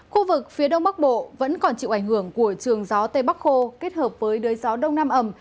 khu vực phía đông bắc bộ vẫn còn chịu ảnh hưởng của trường gió tây bắc khô kết hợp với đới gió đông nam ẩm